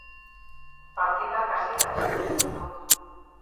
Partidak hasiera bizia izan du.